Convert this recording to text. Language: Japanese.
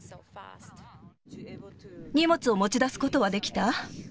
荷物を持ち出すことはできた？